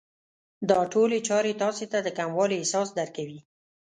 دا ټولې چارې تاسې ته د کموالي احساس درکوي.